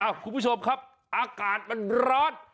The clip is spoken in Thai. คุณผู้ชมครับอากาศมันร้อน